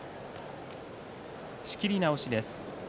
仕切り直しです。